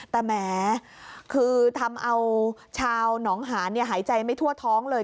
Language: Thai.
แต่แหมคือทำเอาชาวหนองหานหายใจไม่ทั่วท้องเลย